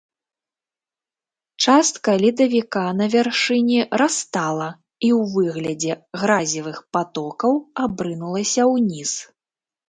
Частка ледавіка на вяршыні растала і ў выглядзе гразевых патокаў абрынулася ўніз.